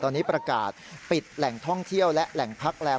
ตอนนี้ประกาศปิดแหล่งท่องเที่ยวและแหล่งพักแรม